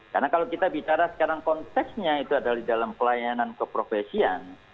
karena kalau kita bicara sekarang konteksnya itu adalah di dalam pelayanan keprofesian